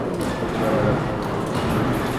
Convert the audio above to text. গত বার আমার গোড়ালি মচকে গিয়েছিল।